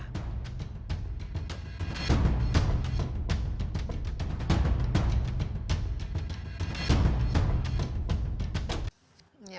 perkembangan mutan virus corona